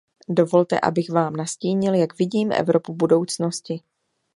Dovolte, abych vám nastínil, jak vidím Evropu budoucnosti.